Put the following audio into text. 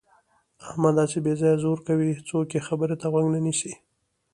احمد هسې بې ځایه زور کوي. څوک یې خبرې ته غوږ نه نیسي.